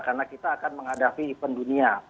karena kita akan menghadapi pendunia